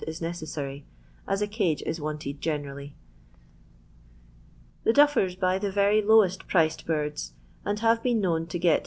is necessary, as a cage is wanted generally. The duffers buy the very lowest priced birds, and have been known to get 21.